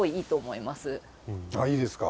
あっいいですか。